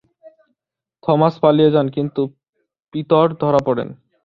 Thomas পালিয়ে যান, কিন্তু পিতর ধরা পড়েন।